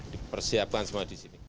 dipersiapkan semua di sini